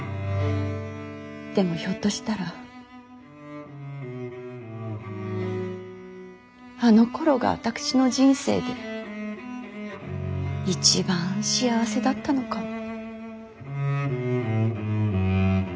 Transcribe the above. でもひょっとしたらあのころが私の人生で一番幸せだったのかも。